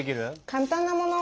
簡単なもの。